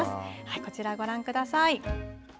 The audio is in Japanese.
こちらご覧ください。